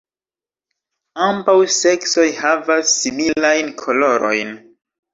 Ambaŭ seksoj havas similajn kolorojn.